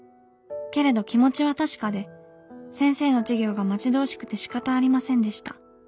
けれど気持ちは確かで先生の授業が待ち遠しくてしかたありませんでした。